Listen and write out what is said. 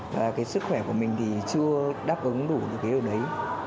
và sức khỏe của mình chưa đáp ứng đủ được điều đấy